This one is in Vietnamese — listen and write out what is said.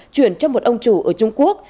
chuyển cho một ông chủ ở trung quốc